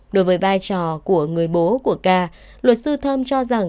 đối với vai trò của người bố của ca luật sư thơm cho rằng